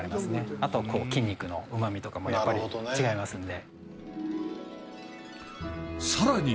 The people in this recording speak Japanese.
あと、筋肉のうまみとかも、やっぱり違いますので。